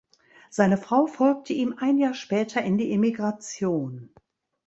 Seine Frau folgte ihm ein Jahr später in die Emigration.